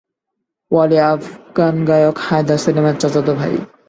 ওয়ালি আফগান গায়ক হায়দার সেলিমের চাচাতো ভাই।